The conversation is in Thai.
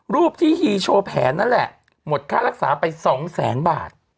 รูปที่ฮีโชว์แผนนั่นแหละหมดค่ารักษาไป๒แสนบาท